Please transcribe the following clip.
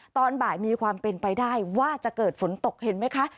ตอนบ่ายมีความเป็นไปได้ว่าจะเกิดฝนตกเห็นไหมคะ